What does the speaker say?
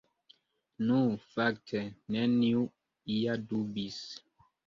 Nu, fakte, neniu ja dubis.